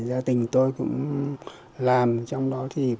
gia tình tôi cũng làm trong đó